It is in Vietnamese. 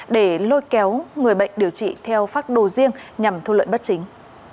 để lôi kéo người bệnh điều trị theo phác đồ riêng nhằm thu lợi bất chính